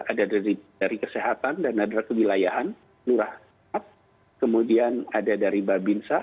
ada dari kesehatan dan ada dari kewilayahan lurah kemudian ada dari babinsa